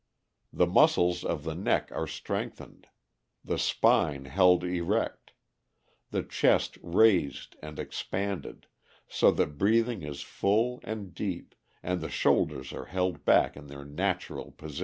The muscles of the neck are strengthened, the spine held erect, the chest raised and expanded, so that breathing is full and deep, and the shoulders are held back in their natural position.